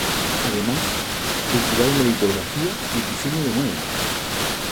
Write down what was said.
Además, cultivaron la litografía y el diseño de muebles.